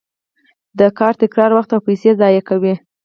د کار تکرار وخت او پیسې ضایع کوي.